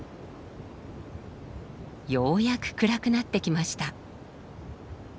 ようやく暗くなってきました。